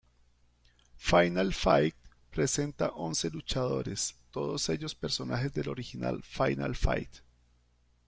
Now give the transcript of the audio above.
Final Fight presenta once luchadores, todos ellos personajes del original Final Fight.